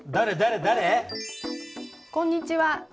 こんにちは。